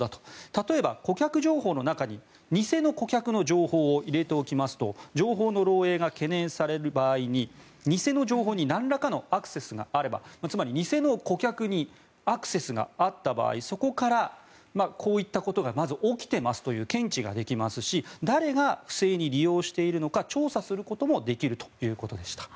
例えば、顧客情報の中に偽の顧客の情報を入れておきますと情報の漏えいが懸念される場合に偽の情報になんらかのアクセスがあればつまり偽の顧客にアクセスがあった場合そこから、こういったことがまず起きていますという検知ができますし誰が不正に利用しているのか調査することもできるということでした。